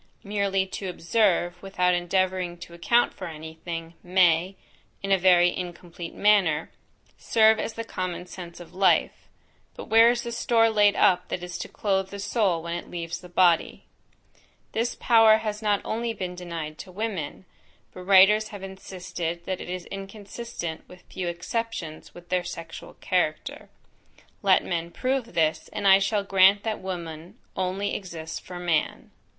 Merely to observe, without endeavouring to account for any thing, may, (in a very incomplete manner) serve as the common sense of life; but where is the store laid up that is to clothe the soul when it leaves the body? This power has not only been denied to women; but writers have insisted that it is inconsistent, with a few exceptions, with their sexual character. Let men prove this, and I shall grant that woman only exists for man.